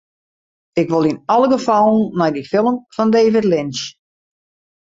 Ik wol yn alle gefallen nei dy film fan David Lynch.